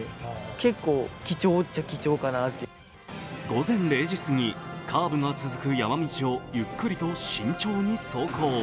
午前０時すぎ、カーブが続く山道をゆっくり慎重に走行。